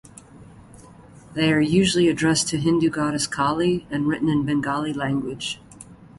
They are usually addressed to Hindu goddess Kali and written in Bengali language.